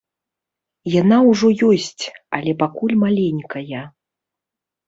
Яна ўжо ёсць, але пакуль маленькая.